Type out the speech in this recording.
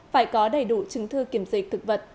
phải có đầy đủ chứng thư kiểm dịch thực vật